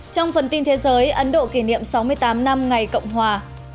trong phần tin thế giới ấn độ kỷ niệm sáu mươi tám năm ngày cộng hòa